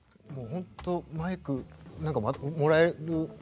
もうほんとマイクもらえる